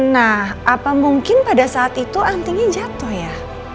nah apa mungkin pada saat itu antinya jatuh ya